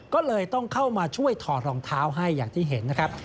ก็เลยต้องเข้ามาช่วยถอดรองเท้าให้อย่างที่เห็นนะครับ